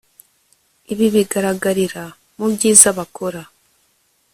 Ibi bigaragarira mubyiza bakora